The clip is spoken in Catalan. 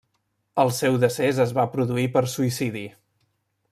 El seu decés es va produir per suïcidi.